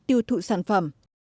tiêu thụ sản phẩm